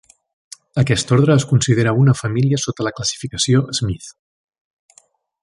Aquest ordre es considera una família sota la classificació Smith.